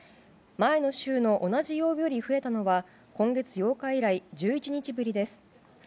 前の週の同じ曜日より増えたのは今月８日以来１１日ぶりです。